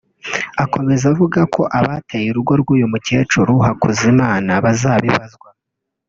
Akomeza avuga ko abateye urugo rw’uyu mukecuru Hakuzimana bazabibazwa